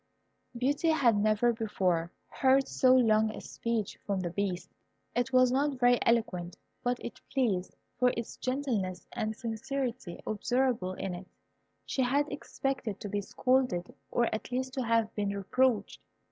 Beauty had never before heard so long a speech from the Beast. It was not very eloquent, but it pleased, from its gentleness and the sincerity observable in it. She had expected to be scolded, or at least to have been reproached.